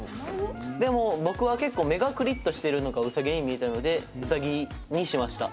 でも僕は結構目がくりっとしているのがウサギに見えたのでウサギにしました。